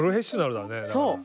そう。